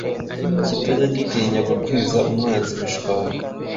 Kitajya gitinya gukwiza umwanzi imishwaro